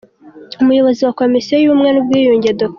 Umuyobozi wa Komisiyo y’Ubumwe n’Ubwiyunge, Dr.